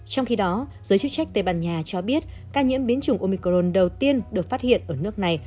trong khi đó giới chức trách tây ban nha cho biết ca nhiễm biến chủng omicron đầu tiên được phát hiện ở nước này